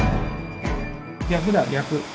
逆だ逆。